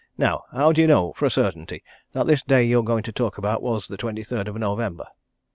"Now, how do you know for a certainty that this day you're going to talk about was the twenty third of November?"